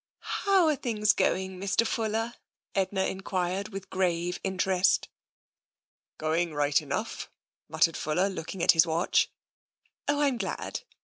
"How are things going, Mr. Fuller?" Edna en quired with grave interest. " Going right enough," muttered Fuller, looking at his watch. " Oh, I'm glad.